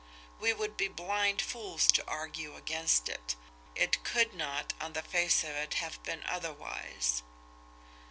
We would be blind fools to argue against it! It could not, on the face of it, have been otherwise!"